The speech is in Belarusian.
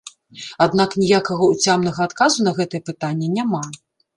Аднак ніякага ўцямнага адказу на гэтае пытанне няма.